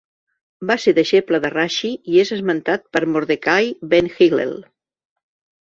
Va ser deixeble de Rashi i és esmentat per Mordecai ben Hillel.